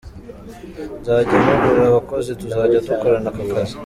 Nzajya mpugura abakozi tuzajya dukorana aka kazi.